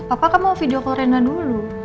papa kan mau video call rena dulu